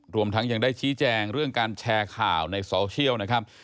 รวมทั้งยังได้ชี้แจงเรื่องการแชร์ข่าวในโซเชียลนะครับ